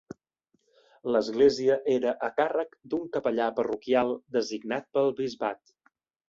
L'església era a càrrec d'un capellà parroquial designat pel bisbat.